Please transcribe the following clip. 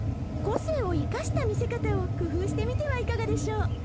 個性を生かした見せ方を工夫してみてはいかがでしょう。